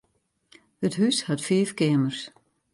It hús hat fiif keamers.